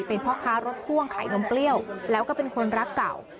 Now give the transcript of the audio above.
เป็นพ่อค้ารถพ่วงขายนมเปรี้ยวแล้วก็เป็นคนรักเก่า